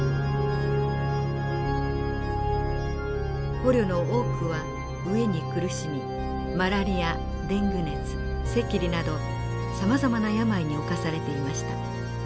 捕虜の多くは飢えに苦しみマラリアデング熱赤痢などさまざまな病に侵されていました。